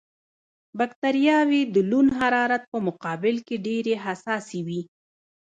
بکټریاوې د لوند حرارت په مقابل کې ډېرې حساسې وي.